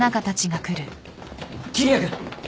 桐矢君！